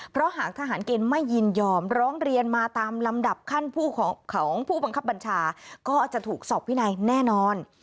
เพราะหากทหารเกณฑ์ไม่ยินยอมร้องเรียนมาตามลำดับขั้นผู้ของผู้บังคับบัญชาก็จะถูกสอบวินัยแน่นอน